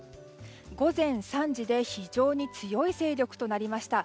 午前３時で非常に強い勢力となりました。